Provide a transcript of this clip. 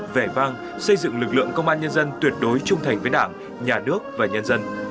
vẻ vang xây dựng lực lượng công an nhân dân tuyệt đối trung thành với đảng nhà nước và nhân dân